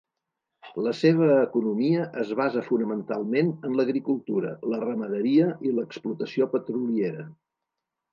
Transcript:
La seva economia es basa fonamentalment en l'agricultura, la ramaderia i l'explotació petroliera.